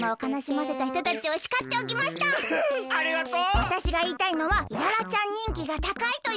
わたしがいいたいのはイララちゃんにんきがたかいということです。